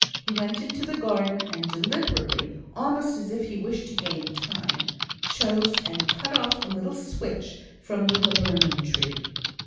He went into the garden, and deliberately, almost as if he wished to gain time, chose and cut off a little switch from the laburnum tree.